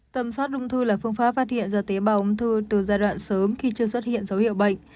tầm soát ung thư là phương pháp phát hiện ra tế bào ung thư từ giai đoạn sớm khi chưa xuất hiện dấu hiệu bệnh